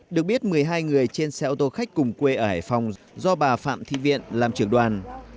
được biết một mươi hai người trên xe ô tô khách cùng quê ở hải phòng do bà phạm thị viện làm trưởng đoàn